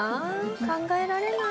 考えられない」